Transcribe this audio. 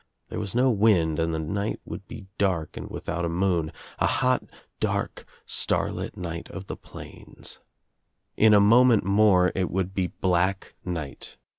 There was no wind and the night would be dark and without a moon, a hot dark starlit night of the plains. In a moment more it would be black night.